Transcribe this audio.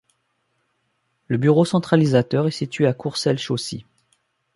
Le bureau centralisateur est situé à Courcelles-Chaussy.